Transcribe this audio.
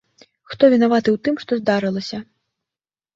Хто вінаваты ў тым, што здарылася?